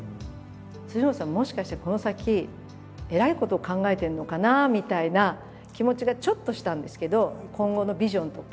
本さんもしかしてこの先えらいことを考えてるのかなみたいな気持ちがちょっとしたんですけど今後のビジョンとか。